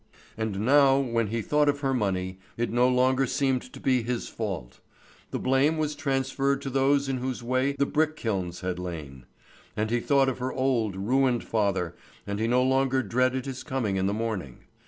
And now when he thought of her money, it no longer seemed to be his fault; the blame was transferred to those in whose way the brick kilns had lain. And he thought of her old, ruined father, and he no longer dreaded his coming in the morning.